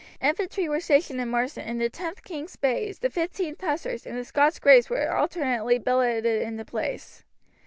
Infantry were stationed in Marsden, and the 10th King's Bays, the 15th Hussars, and the Scots Greys were alternately billeted in the place.